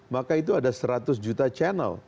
maka itu ada seratus juta channel